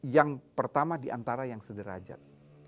yang pertama di antara yang sederajat